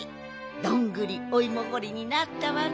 どんぐりおいもほりになったわね。